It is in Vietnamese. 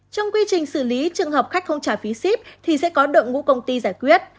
trong quy trình xử lý trường hợp khách không trả phí ship thì sẽ có đội ngũ công ty giải quyết